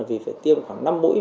vì phải tiêm khoảng năm mũi